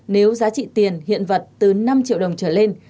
nếu giá trị tiền hiện vật từ năm triệu đồng trở lên